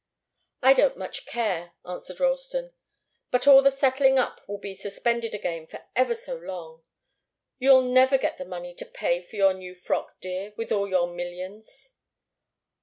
"I don't much care," answered Ralston. "But all the settling up will be suspended again for ever so long. You'll never get the money to pay for your new frock, dear, with all your millions!"